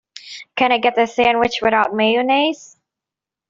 Can I get the sandwich without mayonnaise?